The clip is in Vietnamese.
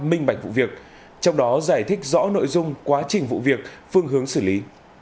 minh bạch vụ việc trong đó giải thích rõ nội dung quá trình vụ việc phương hướng xử lý